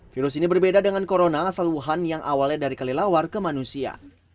virus ini berbeda dengan corona asal wuhan yang awalnya dari kelelawar ke manusia